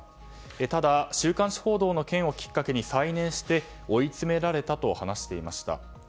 ただ、週刊誌報道の件をきっかけに再燃して追い詰められたと話していました。